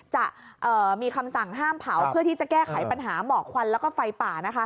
จะมีคำสั่งห้ามเผาเพื่อที่จะแก้ไขปัญหาหมอกควันแล้วก็ไฟป่า